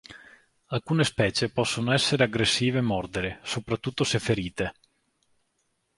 Alcune specie possono essere aggressive e mordere, soprattutto se ferite.